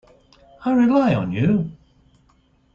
I rely on you.